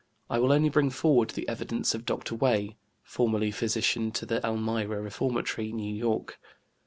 I will only bring forward the evidence of Dr. Wey, formerly physician to the Elmira Reformatory, New York.